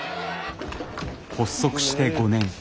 発足して５年。